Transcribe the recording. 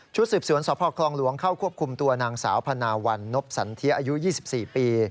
สืบสวนสพคลองหลวงเข้าควบคุมตัวนางสาวพนาวันนบสันเทียอายุ๒๔ปี